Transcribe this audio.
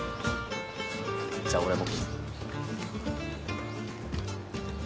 じゃあ俺も。